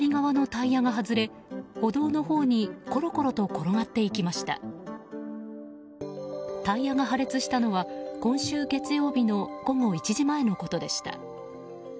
タイヤが破裂したのは今週月曜日の午後１時前のことでした。